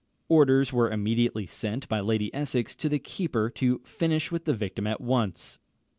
Orders were immediately sent by Lady Essex to the keeper to finish with the victim at once.